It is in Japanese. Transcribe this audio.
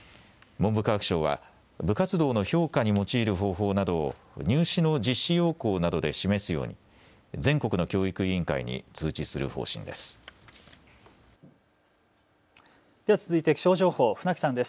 文部科学省は部活動の評価に用いる方法などを入試の実施要項などで示すように全国の教育委員会に通知する方針です。